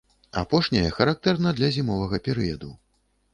Апошняе характэрна для зімовага перыяду.